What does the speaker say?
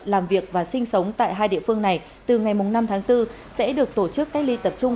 làm việc và sinh sống tại hai địa phương này từ ngày năm tháng bốn sẽ được tổ chức cách ly tập trung